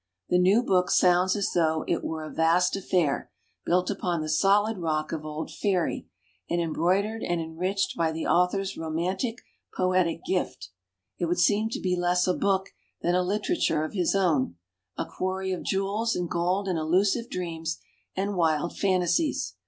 The new book sounds as though it were a vast affair, built upon the solid rock of old faery, and em broidered and enriched by the author's romantic poetic grift. It would seem to be less a book than a literature of his own, a quarry of jewels and gold and elusive dreams and wild fantasies.